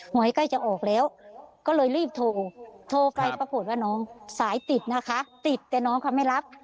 หวยใกล้จะออกแล้วก็เลยรีบโทรโทรไปปรากฏว่าน้องสายติดนะคะติดแต่น้องเขาไม่รับ